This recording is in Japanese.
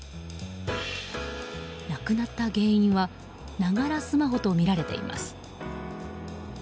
亡くなった原因はながらスマホとみられています。